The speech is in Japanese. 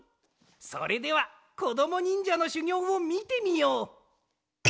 それではこどもにんじゃのしゅぎょうをみてみよう。